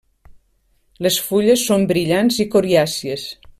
Les fulles són brillants i coriàcies.